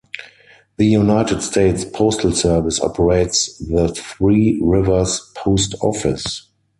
The United States Postal Service operates the Three Rivers Post Office.